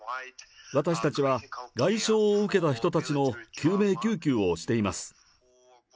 私たちは外傷を受けた人たちの救命救急をしています。